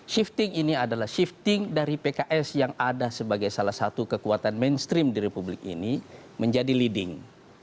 shifting ini adalah shifting dari pks yang ada sebagai salah satu kekuatan mainstream di republik ini menjadi leading